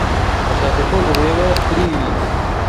Ndashaka ko ureba kuriyi.